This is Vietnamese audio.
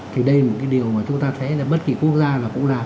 thì đây là một cái điều mà chúng ta thấy là bất kỳ quốc gia nào cũng làm